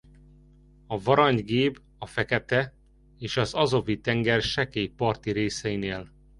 A varangy géb a Fekete- és az Azovi-tenger sekély parti részein él.